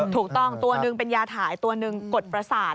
ถูกต้องตัวหนึ่งเป็นยาถ่ายตัวหนึ่งกดประสาท